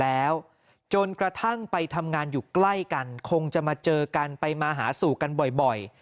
แล้วจนกระทั่งไปทำงานอยู่ใกล้กันคงจะมาเจอกันไปมาหาสู่กันบ่อย